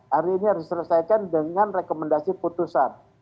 hari ini harus diselesaikan dengan rekomendasi putusan